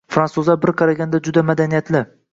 Fransuzlar bir qaraganda juda madaniyatli.